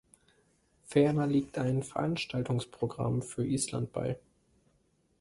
Ferner liegt ein Veranstaltungsprogramm für Island bei.